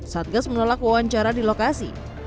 satgas menolak wawancara di lokasi